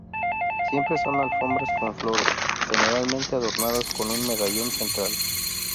Siempre son alfombras con flores, generalmente adornadas con un medallón central.